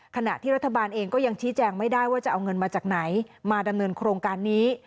ขณะที่รัฐบาลเองก็ยังชี้แจงไม่ได้ว่าจะเอาเงินมาจากไหนมาดำเนินโครงการนี้